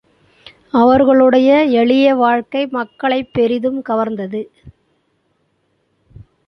அவர்களுடைய எளிய வாழ்க்கை மக்களைப் பெரிதும் கவர்ந்தது.